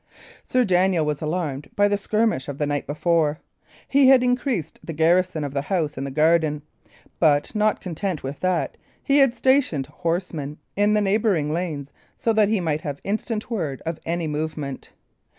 Sir Daniel was alarmed by the skirmish of the night before. He had increased the garrison of the house in the garden; but not content with that, he had stationed horsemen in all the neighbouring lanes, so that he might have instant word of any movement.